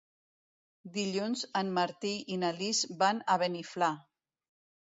Dilluns en Martí i na Lis van a Beniflà.